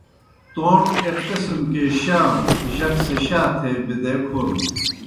توݩڇ ایْک قِسم کے شا نوْ، جک سہ شا تھے بِدے کھونَن۔